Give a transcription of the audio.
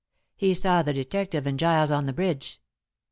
He saw the detective and Giles on the bridge.